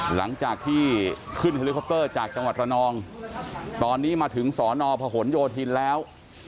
หลังจากที่ขึ้นเฮลิคอปเตอร์จากจังหวัดระนองตอนนี้มาถึงสอนอพหนโยธินแล้ว